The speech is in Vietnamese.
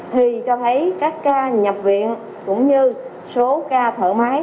thì cho thấy các ca nhập viện cũng như số ca thở máy